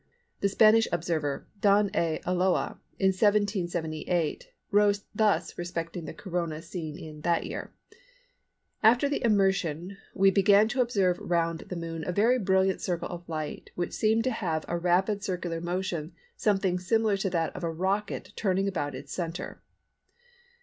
The Spanish observer, Don A. Ulloa, in 1778, wrote thus respecting the Corona seen in that year:—"After the immersion we began to observe round the Moon a very brilliant circle of light which seemed to have a rapid circular motion something similar to that of a rocket turning about its centre."